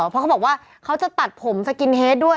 เพราะเขาบอกว่าเขาจะตัดผมสกินเฮดด้วย